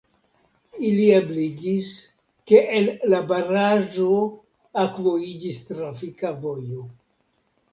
Ili ebligis, ke el la baraĵo akvo iĝis trafika vojo.